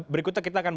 berikutnya kita akan